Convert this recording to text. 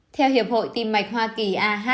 theo hiệp hội tìm mạch hoa kỳ aha